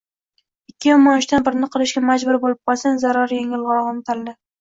Ikki yomon ishdan birini qilishga majbur bo’lib qolsang, zarari yengilrog’ini tanla.